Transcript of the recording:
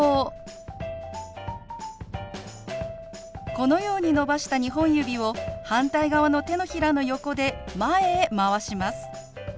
このように伸ばした２本指を反対側の手のひらの横で前へ回します。